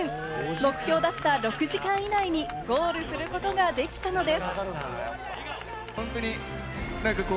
目標だった６時間以内にゴールすることができたのです。